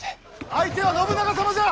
相手は信長様じゃ！